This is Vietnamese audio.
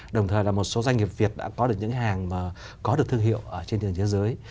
đồng thời là một số doanh nghiệp việt đã có được những hàng mà có được thương hiệu trên trường thế giới